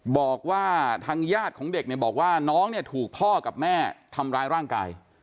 บอกว่าทางญาติของเด็กเนี่ยบอกว่าน้องเนี่ยถูกพ่อกับแม่ทำร้ายร่างกาย